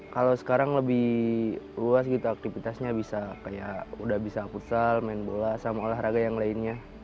kalau sekarang lebih luas gitu aktivitasnya bisa kayak udah bisa futsal main bola sama olahraga yang lainnya